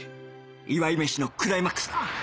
祝い飯のクライマックスだ